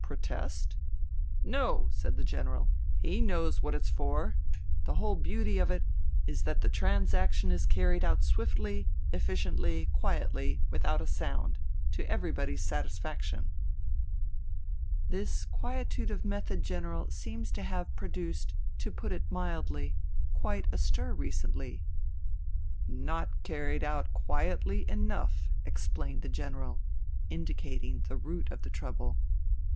protest ?" "No," said the General. "He knows what it's for. The whole beauty of it is that the transaction is carried out swiftly, efficiently, quietly, without a sound ... to everybody's satisfaction." " This quietude of method. General, seems to have produced, to put it mildly, quite a stir recently ?"" Not carried out quietly enough," explained the General, indicating the root of the trouble.